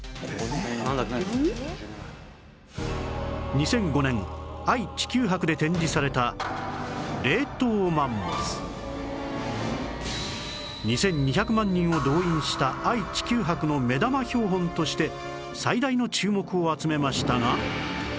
２００５年愛・地球博で展示された２２００万人を動員した愛・地球博の目玉標本として最大の注目を集めましたが